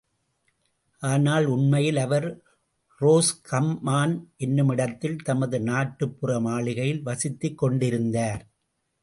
ஆனால் உண்மையில் அவர் ரோஸ்கம்மான் என்னுமிடத்தில் தமது நாட்டுப்புற மாளிகையில் வசித்துக்கொண்டிருந்தார்.